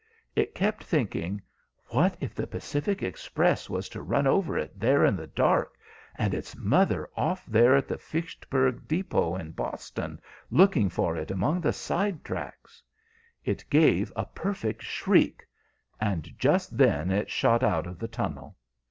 It kept thinking, What if the Pacific Express was to run over it there in the dark, and its mother off there at the Fitchburg Depot, in Boston, looking for it among the side tracks? It gave a perfect shriek; and just then it shot out of the tunnel.